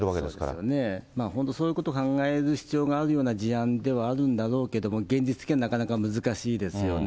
そうですよね、本当そういうことを考える必要がある事案ではあるんだろうけど、現実的にはなかなか難しいですよね。